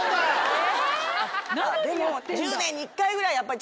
え！